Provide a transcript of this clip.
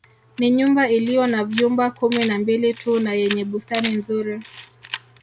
Ni nyumba iliyo na vyumba kumi na Mbili tu na yenye bustani nzuri